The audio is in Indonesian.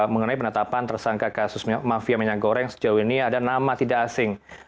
mengenai penetapan tersangka kasus mafia minyak goreng sejauh ini ada nama tidak asing